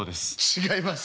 違います。